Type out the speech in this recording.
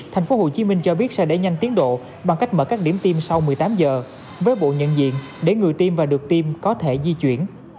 thành phố hồ chí minh cho biết sẽ đẩy nhanh tiến độ bằng cách mở các điểm tiêm sau một mươi tám giờ với bộ nhận diện để người tiêm và được tiêm có thể di chuyển